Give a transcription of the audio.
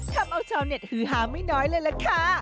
ทำเอาชาวเน็ตฮือหาไม่น้อยเลยล่ะค่ะ